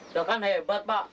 ya kan hebat pak